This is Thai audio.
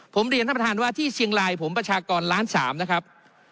ผมเรียนท่านประธานว่าที่เชียงรายผมประชากรล้านสามนะครับ